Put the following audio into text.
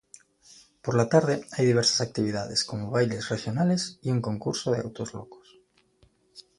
Por la tarde, hay diversas actividades, como bailes regionales, y un concurso de autos-locos.